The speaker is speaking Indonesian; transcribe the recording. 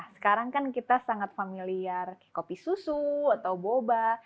sekarang kita sangat familiar dengan kopi susu atau boba